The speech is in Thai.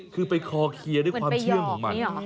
คือไปคอเคลียร์ด้วยความเชื่อมของมัน